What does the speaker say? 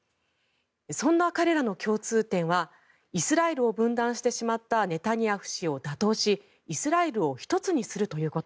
そんな彼らの共通点はイスラエルを分断してしまったネタニヤフ氏を打倒しイスラエルを１つにするということ。